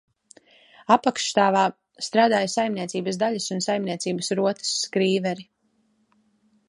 Apakšstāvā strādāja saimniecības daļas un saimniecības rotas skrīveri.